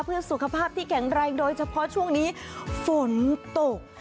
เพื่อสุขภาพที่แข็งแรงโดยเฉพาะช่วงนี้ฝนตก